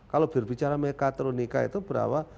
kalau berbicara mekatronika itu berawal